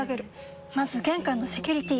まず玄関のセキュリティ！